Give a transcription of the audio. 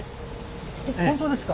本当ですか？